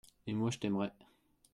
Et moi, je t’aimerai.